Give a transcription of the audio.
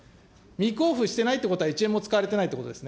未交付してないということは、１円も使われてないということですね。